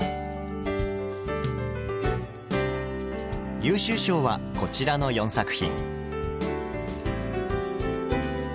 優秀賞はこちらの４作品。